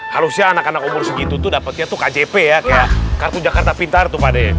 harusnya anak anak umur segitu itu dapatnya tuh kjp ya kayak kartu jakarta pintar tuh pak de